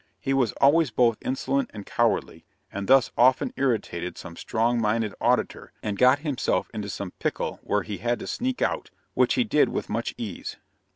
He was always both insolent and cowardly, and thus often irritated some strong minded auditor, and got himself into some pickle where he had to sneak out, which he did with much ease.